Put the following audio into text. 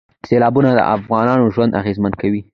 سیلابونه د افغانانو ژوند اغېزمن کوي.